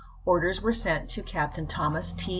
Orders were sent to Captain Thomas T.